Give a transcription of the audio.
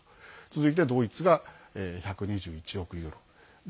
続いて、ドイツが１２１億ユーロ。